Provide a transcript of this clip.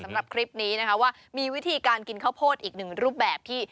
สำหรับคลิปนี้นะคะว่ามีวิธีการกินข้าวโพดอีกหนึ่งรูปแบบที่